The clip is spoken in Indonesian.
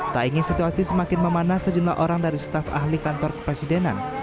tak ingin situasi semakin memanas sejumlah orang dari staf ahli kantor kepresidenan